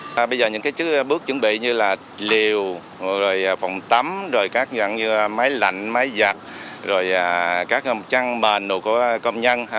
bây giờ những bước chuẩn bị như liều phòng tắm máy lạnh máy giặt trang bền công nhân